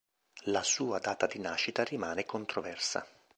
La sua data di nascita rimane controversa.